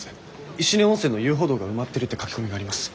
石音温泉の遊歩道が埋まってるって書き込みがあります。